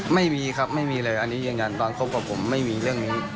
ไม่มีครับไม่มีเลยอันนี้ยืนยันตอนคบกับผมไม่มีเรื่องนี้